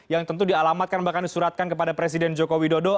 yang tentu dialamatkan bahkan disuratkan kepada presiden joko widodo